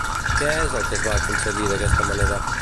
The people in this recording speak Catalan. Què és el que es va aconseguir d'aquesta manera?